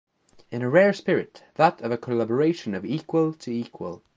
In a rare spirit, that of a collaboration of equal to equal.